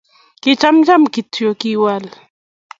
kechamcham kityo, kiwal